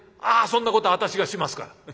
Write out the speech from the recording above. ああそんなことは私がしますから。